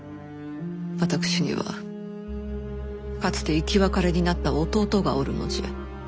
私にはかつて生き別れになった弟がおるのじゃ。